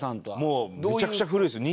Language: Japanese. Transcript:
もうめちゃくちゃ古いですよ。